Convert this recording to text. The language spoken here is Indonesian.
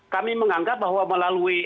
kami menganggap bahwa melalui